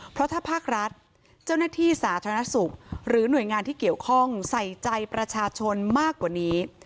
เพราะถ้าภาครัฐเจ้าหน้าที่สาธารณสุขหรือหน่วยงานที่เกี่ยวข้องใส่ใจประชาชนมากกว่านี้